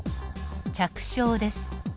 着床です。